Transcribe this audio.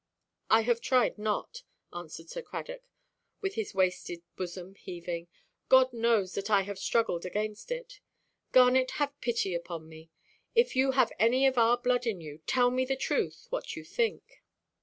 "I have tried not," answered Sir Cradock, with his wasted bosom heaving. "God knows that I have struggled against it. Garnet, have pity upon me. If you have any of our blood in you, tell me the truth, what you think."